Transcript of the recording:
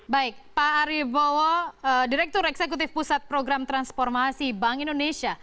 baik pak ari bowo direktur eksekutif pusat program transformasi bank indonesia